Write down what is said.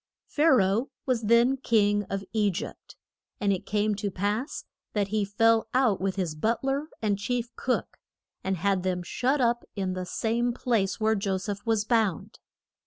Pha ra oh was then king of E gypt. And it came to pass that he fell out with his but ler and chief cook, and had them shut up in the same place where Jo seph was bound.